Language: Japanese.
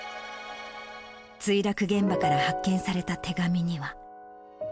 墜落現場から発見された手紙には。